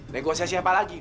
negosiasi apa lagi